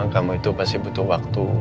kamu itu pasti butuh waktu